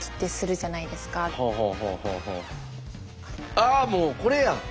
ああもうこれやん。